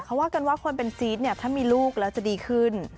เขาว่ากันว่าคนเป็นจี๊ดเนี่ยถ้ามีลูกแล้วจะดีขึ้น